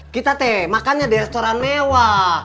kita teh makannya di restoran mewah